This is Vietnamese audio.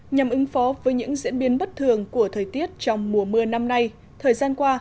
nhằm ứng phó với những diễn biến bất thường của thời tiết trong mùa mưa năm nay thời gian qua